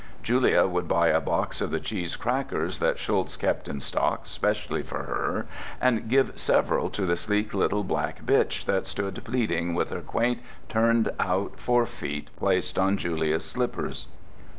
Julia would buy a box of the cheese crackers that Schulz kept in stock specially for her, and give several to the sleek little black bitch that stood pleading with her quaint turned out fore feet placed on Julia's slippers.